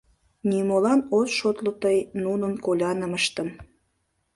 Нимолан от шотло тый нунын колянымыштым...